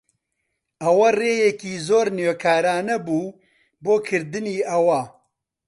ئەوە ڕێیەکی زۆر نوێکارانە بوو بۆ کردنی ئەوە.